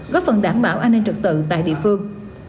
góp phần đảm bảo an ninh trực tự tại địa phương